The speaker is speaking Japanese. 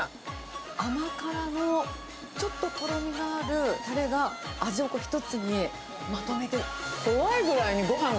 甘辛のちょっととろみがあるたれが味を一つにまとめて。